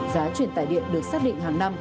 giá truyền tài điện được xác định hàng năm